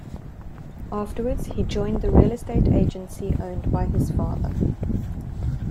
Afterwards, he joined the real-estate agency owned by his father.